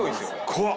怖っ。